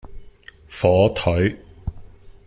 火腿